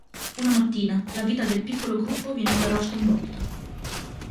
Una mattina la vita del piccolo gruppo viene però sconvolta.